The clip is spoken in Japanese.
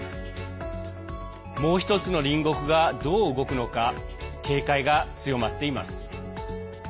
もう１つの隣国がどう動くのか警戒が強まっています。